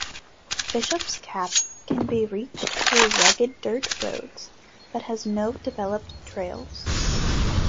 Bishop's Cap can be reached through rugged dirt roads, but has no developed trails.